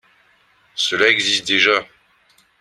Cela existe déjà